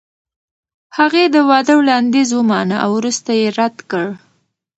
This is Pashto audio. هغې د واده وړاندیز ومانه او وروسته یې رد کړ.